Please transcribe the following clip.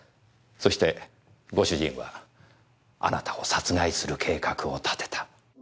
そしてご主人はあなたを殺害する計画を立てた。